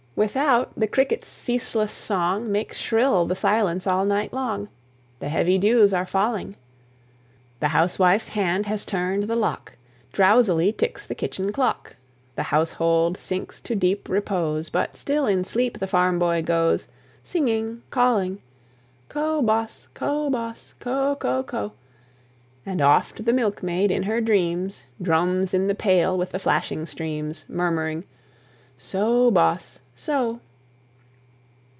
Without, the crickets' ceaseless song Makes shrill the silence all night long; The heavy dews are falling. The housewife's hand has turned the lock; Drowsily ticks the kitchen clock; The household sinks to deep repose; But still in sleep the farm boy goes. Singing, calling, "Co', boss! co', boss! co'! co'! co'!" And oft the milkmaid, in her dreams, Drums in the pail with the flashing streams, Murmuring, "So, boss! so!"